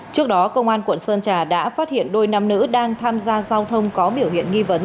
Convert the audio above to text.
trước đó công an quận sơn trà đã phát hiện đôi nam nữ đang tham gia giao thông có biểu hiện nghi vấn